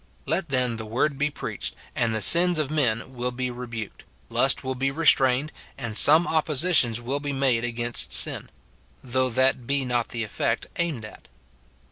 Let, then, the word be preached, and the sins of men [will be] rebuked, lust will be restrained, and some oppositions will be made against sin ; though that be not the effect aimed at.